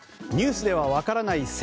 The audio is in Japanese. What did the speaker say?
ニュースでは分からない